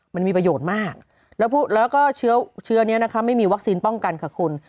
มันมีประโยชน์มากแล้วก็เชื้อนี้นะคะไม่มีวัคซีนป้องกันค่ะคุณ